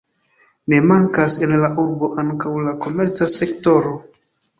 Ne mankas en la urbo ankaŭ la komerca sektoro.